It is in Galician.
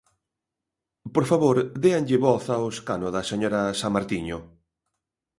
Por favor, déanlle voz ao escano da señora Samartiño.